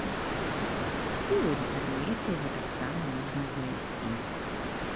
І ў інтэрнэце яго таксама можна знайсці.